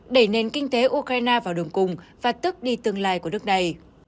đẩy nền kinh tế ukraine vào đường cùng và tước đi tương lai của đất nước này